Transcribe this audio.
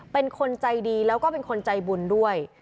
เป็นคนใจดีแล้วก็เป็นคนใจบุญด้วย